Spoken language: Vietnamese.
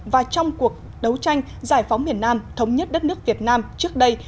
và trong cuộc đấu tranh giải phóng miền nam thống nhất đất nước việt nam trước đây